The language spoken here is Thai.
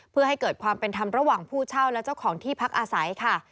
เพื่อให้เกิดความเป็นธรรมระหว่างผู้เช่าและเจ้าของที่พักอาศัยค่ะ